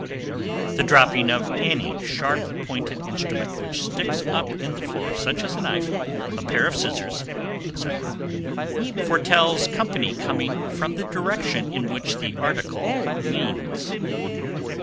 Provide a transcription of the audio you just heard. _ 758. The dropping of any sharp pointed instrument which sticks up in the floor, such as a knife, a pair of scissors, etc., foretells company coming from the direction in which the article leans.